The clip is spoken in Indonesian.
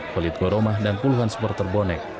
polit goroma dan puluhan supporter bonek